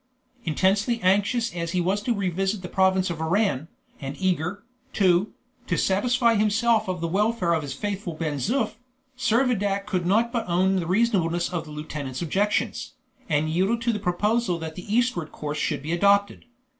Intensely anxious as he was to revisit the province of Oran, and eager, too, to satisfy himself of the welfare of his faithful Ben Zoof, Servadac could not but own the reasonableness of the lieutenant's objections, and yielded to the proposal that the eastward course should be adopted.